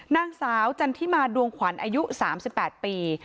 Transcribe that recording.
นางสาวจันทิมาดวงขวัญอายุ๓๘ปี